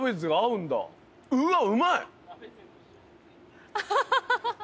うわっうまい！